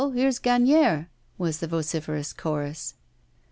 here's Gagnière,' was the vociferous chorus.